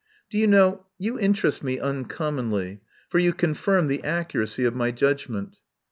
Do you know you interest me uncommonly, for you confirm the accuracy of my judgment.